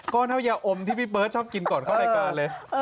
ก็น้ำยาอมที่พี่เบิร์ตชอบกินก่อนเข้ารายการเลย